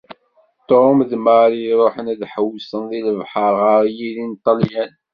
Tom d Mary ruḥen ad ḥewwsen deg lebḥer ɣer yiri n Ṭṭelyan.